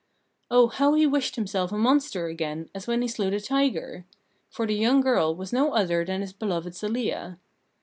Oh, how he wished himself a monster again, as when he slew the tiger! For the young girl was no other than his beloved Zelia.